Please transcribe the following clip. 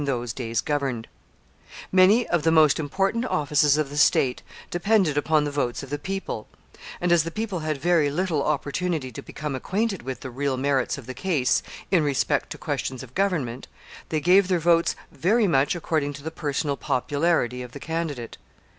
] Many of the most important offices of the state depended upon the votes of the people; and as the people had very little opportunity to become acquainted with the real merits of the case in respect to questions of government, they gave their votes very much according to the personal popularity of the candidate.